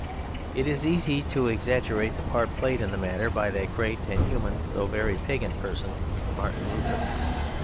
It is easy to exaggerate the part played in the matter by that great and human, though very pagan person, Martin Luther.